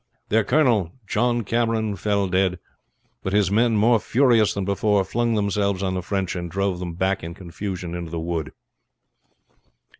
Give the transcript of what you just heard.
Their colonel, John Cameron, fell dead; but his men, more furious than before, flung themselves on the French, and drove them back in confusion into the wood.